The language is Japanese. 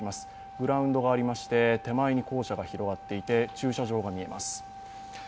グラウンドがありまして、手前に校舎が広がっていて、駐車場が見えます。